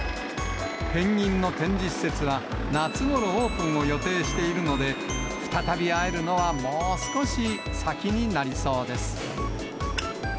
ペンギンの展示施設は、夏ごろオープンを予定しているので、再び会えるのはもう少し先になりそうです。